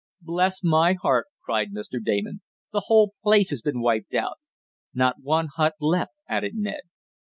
"Bless my heart!" cried Mr. Damon. "The whole place has been wiped out." "Not one hut left," added Ned.